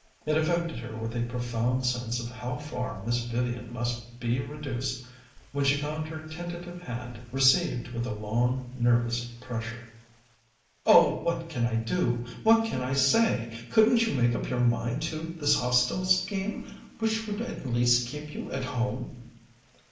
It affected her with a profound sense of how far Miss Vivian must be reduced when she found her tentative hand received with a long, nervous pressure. "Oh, what can I do? What can I say? Couldn't you make up your mind to this Hostel scheme, which would at least keep you at home?"